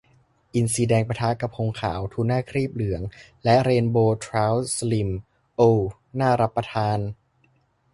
อินทรีแดง ปะทะ กะพงขาว ทูน่าครีบเหลือง และ เรนโบว์เทราต์สลิ่ม โอว น่ารับประทาน